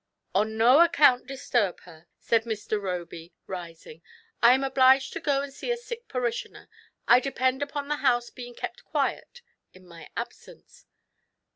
"On no account disturb her," said Mr. Roby, rising. " I am obliged to go to see a sick parishioner; I depend upon the house being kept quiet in my absence."